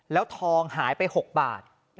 แล้วทองหายไป๖บาท